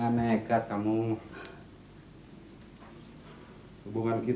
apa dia percaya apa aku ilah untuk altar hopeless